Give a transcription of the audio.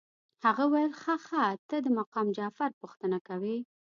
هغه ویل ښه ښه ته د مقام جعفر پوښتنه کوې.